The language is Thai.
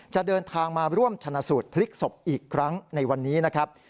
จะเดินทางมาร่วมชนะสูตรพลิกศพอีกครั้งในวันนี้นะครับ